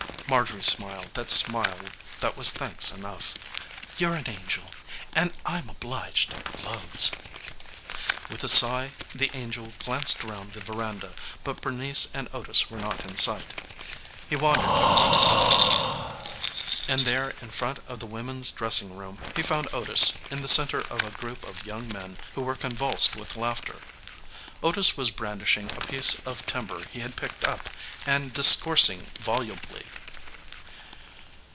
Marjorie smiled that smile that was thanks enough. "You're an angel, and I'm obliged loads." With a sigh the angel glanced round the veranda, but Bernice and Otis were not in sight. He wandered back inside, and there in front of the women's dressing room he found Otis in the centre of a group of young men who were convulsed with laughter. Otis was brandishing a piece of timber he had picked up, and discoursing volubly.